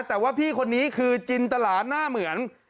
แต่ว่าพี่คนนี้คือจินตลาหน้าเหมือน